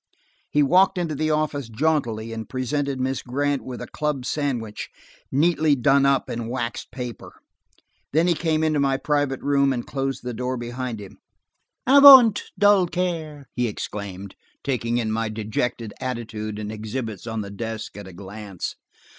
He walked into the office jauntily and presented Miss Grant with a club sandwich neatly done up in waxed paper. Then he came into my private room and closed the door behind him. "Avaunt, dull care!" he exclaimed, taking in my dejected attitude and exhibits on the desk at a glance.